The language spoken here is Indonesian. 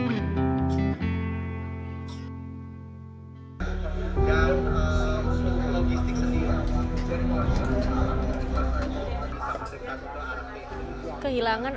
kehilangan yang terjadi di negara negara ini